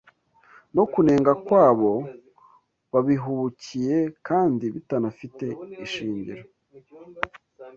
no kunenga kwabo babihubukiye kandi bitanafite ishingiro,